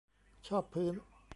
ชอบพื้น